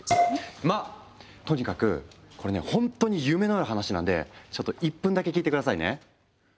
まあとにかくこれねほんとに夢のある話なんでちょっと１分だけ聞いて下さいね。